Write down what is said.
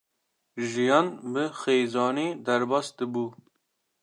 Jiyan bi xêzanî derbas dibû.